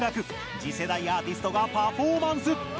次世代アーティストがパフォーマンス。